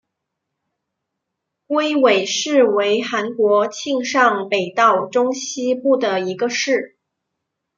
龟尾市为韩国庆尚北道中西部的一个市。